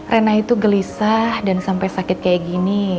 rena itu gelisah dan sampai sakit kayak gini